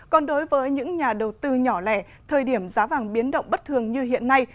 còn đối với những nhà đầu tư nhỏ lẻ thời điểm giá vàng biến động bất thường như hiện nay